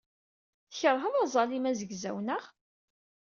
Tkeṛheḍ aẓalim azegzaw, naɣ?